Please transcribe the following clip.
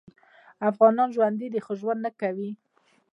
افغانان ژوندي دي خو ژوند نکوي